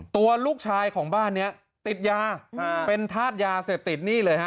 ตัวลูกชายของบ้านนี้ติดยาเป็นธาตุยาเสพติดนี่เลยฮะ